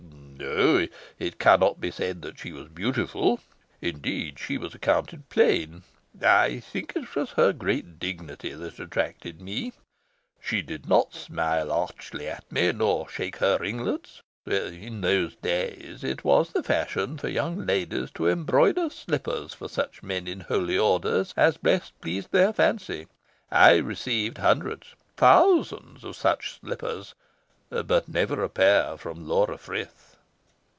"No. It cannot be said that she was beautiful. Indeed, she was accounted plain. I think it was her great dignity that attracted me. She did not smile archly at me, nor shake her ringlets. In those days it was the fashion for young ladies to embroider slippers for such men in holy orders as best pleased their fancy. I received hundreds thousands of such slippers. But never a pair from Laura Frith."